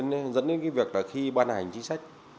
nên dẫn đến cái việc là khi ban hành chính sách